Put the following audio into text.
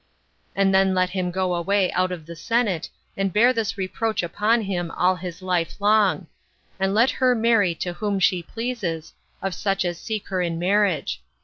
And then let him go away out of the senate, and bear this reproach upon him all his life long; and let her marry to whom she pleases, of such as seek her in marriage.